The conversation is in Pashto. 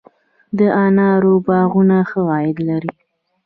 د انارو باغونه ښه عاید لري؟